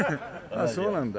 ああそうなんだ